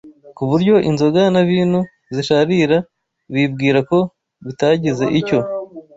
ku buryo inzoga na vino zisharira bibwira ko bitagize icyo